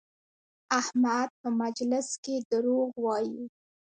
احمد په مجلس کې دروغ وایي؛